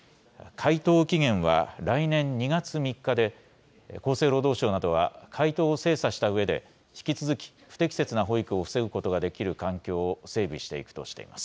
回答期限は来年２月３日で、厚生労働省などは、回答を精査したうえで、引き続き、不適切な保育を防ぐことができる環境を整備していくとしています。